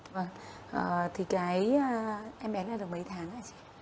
vâng thì cái em bé này được mấy tháng này chị